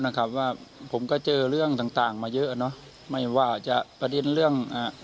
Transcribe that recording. นะครับว่าผมก็เจอเรื่องต่างต่างมาเยอะเนอะไม่ว่าจะประเด็นเรื่องอ่า